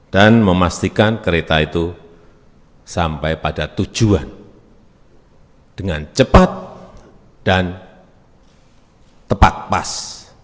dan memastikan kereta itu sampai pada tujuan dengan cepat dan tepat pas